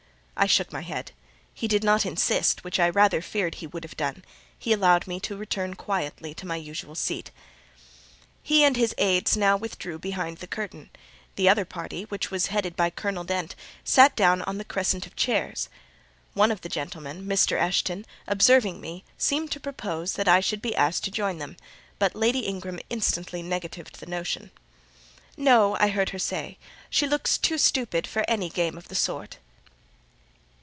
I shook my head. He did not insist, which I rather feared he would have done; he allowed me to return quietly to my usual seat. He and his aids now withdrew behind the curtain: the other party, which was headed by Colonel Dent, sat down on the crescent of chairs. One of the gentlemen, Mr. Eshton, observing me, seemed to propose that I should be asked to join them; but Lady Ingram instantly negatived the notion. "No," I heard her say: "she looks too stupid for any game of the sort."